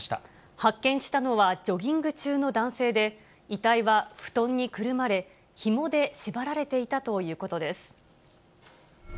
発見したのはジョギング中の男性で、遺体は布団にくるまれ、ひもで縛られていたということです。